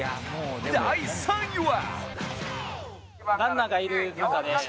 第３位は！